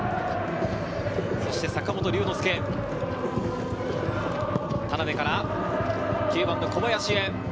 坂本龍之介、田辺から９番の小林へ。